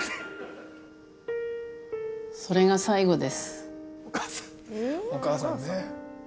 それが最後です。